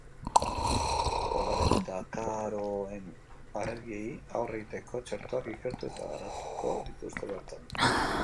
Polenaren eta akaroen alergiei aurre egiteko txertoak ikertu eta garatuko dituzte bertan.